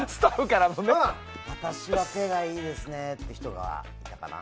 私はそっちがいいですねって人が多いかな。